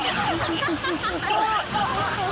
アハハハハ！